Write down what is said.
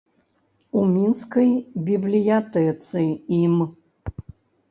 У мінскай бібліятэцы ім.